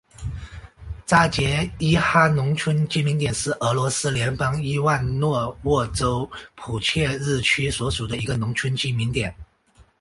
扎捷伊哈农村居民点是俄罗斯联邦伊万诺沃州普切日区所属的一个农村居民点。